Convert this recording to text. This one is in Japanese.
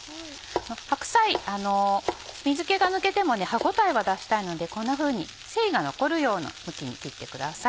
白菜水気が抜けても歯応えは出したいのでこんなふうに繊維が残るような向きに切ってください。